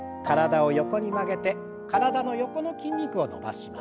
体を横に曲げて体の横の筋肉を伸ばします。